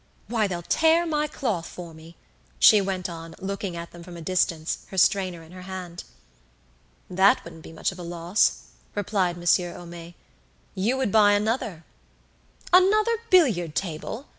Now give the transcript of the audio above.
Why, they'll tear my cloth for me," she went on, looking at them from a distance, her strainer in her hand. "That wouldn't be much of a loss," replied Monsieur Homais. "You would buy another." "Another billiard table!"